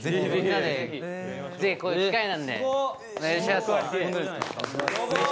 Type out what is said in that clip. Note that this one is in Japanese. ぜひこういう機会なんでお願いします！